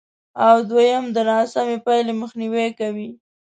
او دوېم د ناسمې پایلې مخنیوی کوي،